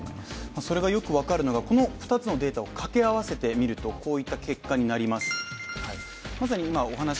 それがよく分かるのが、この２つのデータを掛け合わせてみるとこういった結果になります。